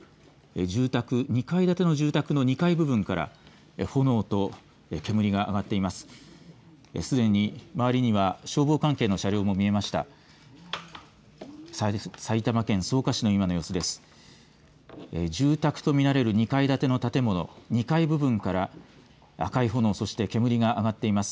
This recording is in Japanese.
住宅２階建ての住宅の２階部分から炎と煙が上がっています。